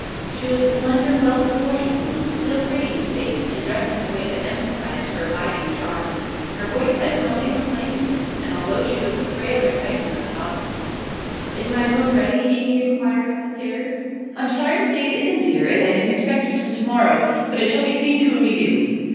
She was a slender, well proportioned woman, still pretty in face, and dressed in a way that emphasised her abiding charms. Her voice had something of plaintiveness, and altogether she was of frailer type than her daughter. 'Is my room ready?' Amy inquired on the stairs. 'I'm sorry to say it isn't, dear, as I didn't expect you till tomorrow. But it shall be seen to immediately.